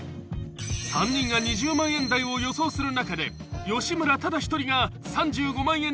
［３人が２０万円台を予想する中で吉村ただ一人が３５万円の高額予想］